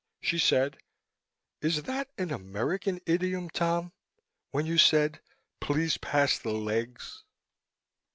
She said, "Is that an American idiom, Tom, when you said, 'Please pass the legs'?"